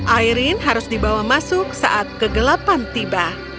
airin harus dibawa masuk saat kegelapan tiba